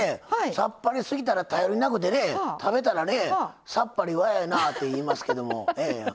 さっぱりすぎたら頼りなくて食べたらさっぱりわややなって言いますけど。